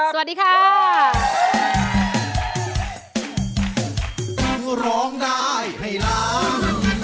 สวัสดีค่ะก่อน